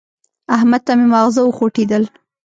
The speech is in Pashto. احمد ته مې ماغزه وخوټېدل.